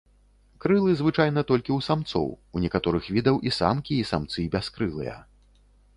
Крылы звычайна толькі ў самцоў, у некаторых відаў і самкі, і самцы бяскрылыя.